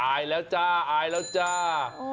อายแล้วจ้าอายแล้วจ้า